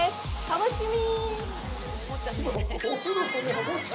楽しみ！